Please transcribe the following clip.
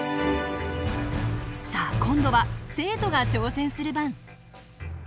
さあ今度は生徒が挑戦する番。